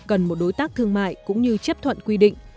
cần một đối tác thương mại cũng như chấp thuận quy định